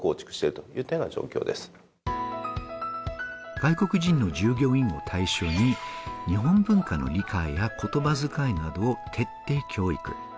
外国人の従業員を対象に、日本文化の理解や言葉遣いなどを徹底教育。